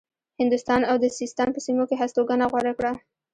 هندوستان او د سیستان په سیمو کې هستوګنه غوره کړه.